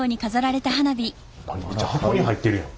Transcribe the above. めっちゃ箱に入ってるやん。